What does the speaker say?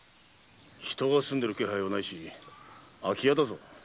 人が住んでる気配はないし空き家だぞ。